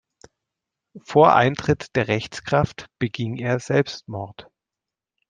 Vor Eintritt der Rechtskraft beging er Selbstmord.